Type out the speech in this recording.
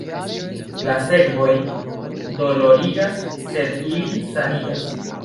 La sekvoj dolorigas, sed ili sanigas.